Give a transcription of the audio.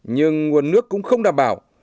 nhưng nguồn nước cũng không đảm bảo